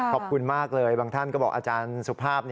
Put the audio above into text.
ขอบคุณมากเลยบางท่านก็บอกอาจารย์สุภาพ